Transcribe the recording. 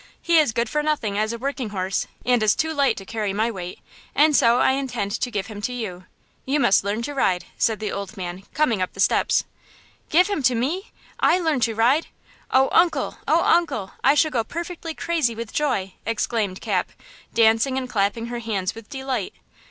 he is good for nothing as a working horse, and is too light to carry my weight, and so I intend to give him to you! You must learn to ride," said the old man, coming up the steps. "Give him to me! I learn to ride! Oh, uncle! Oh, uncle! I shall go perfectly crazy with joy!" exclaimed Cap, dancing and clapping her hands with delight.